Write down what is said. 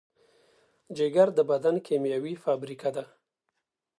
جگر د بدن کیمیاوي فابریکه ده.